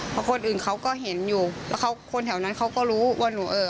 เพราะคนอื่นเขาก็เห็นอยู่แล้วเขาคนแถวนั้นเขาก็รู้ว่าหนูเอ่อ